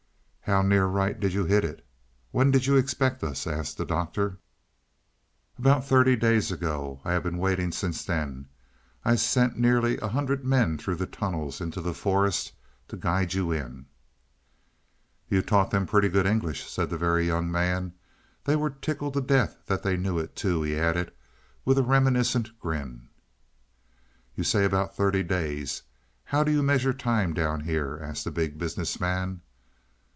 "How near right did you hit it? When did you expect us?" asked the Doctor. "About thirty days ago; I have been waiting since then. I sent nearly a hundred men through the tunnels into the forest to guide you in." "You taught them pretty good English," said the Very Young Man. "They were tickled to death that they knew it, too," he added with a reminiscent grin. "You say about thirty days; how do you measure time down here?" asked the Big Business Man.